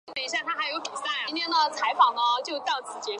琉球峨螺是一种海螺的物种。